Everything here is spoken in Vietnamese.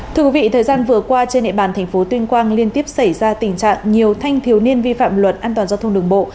thưa quý vị thời gian vừa qua trên địa bàn thành phố tuyên quang liên tiếp xảy ra tình trạng nhiều thanh thiếu niên vi phạm luật an toàn giao thông đường bộ